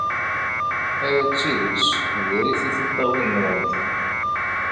Aya d tidet diri-t i tiṭṭawin-nwent.